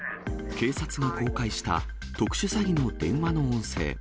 警察が公開した、特殊詐欺の電話の音声。